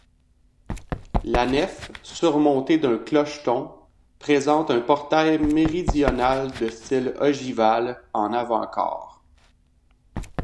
La nef, surmontée d'un clocheton, présente un portail méridional de style ogival, en avant-corps.